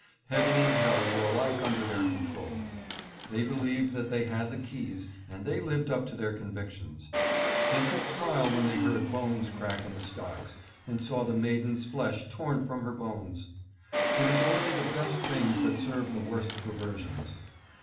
Heaven and hell were alike under their control. They believed that they had the keys, and they lived up to their convictions. They could smile when they heard bones crack in the stocks and saw the maiden's flesh torn from her bones. It is THE SOUTH OF FRANCE. 687 only the best things that serve the worst perversions.